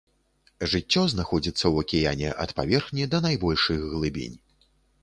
Жыццё знаходзіцца ў акіяне ад паверхні да найбольшых глыбінь.